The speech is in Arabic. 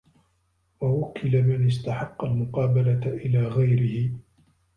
وَوَكَّلَ مَنْ اسْتَحَقَّ الْمُقَابَلَةَ إلَى غَيْرِهِ